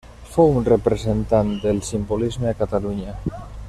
Fou un representant del Simbolisme a Catalunya.